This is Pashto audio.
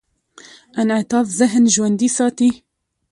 انعطاف ذهن ژوندي ساتي.